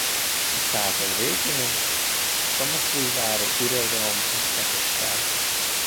A század végén a szamosújvári uradalomhoz csatolták.